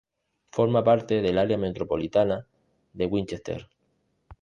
Forma parte del área metropolitana de Winchester.